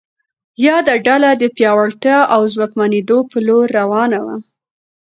یاده ډله د پیاوړتیا او ځواکمنېدو په لور روانه وه.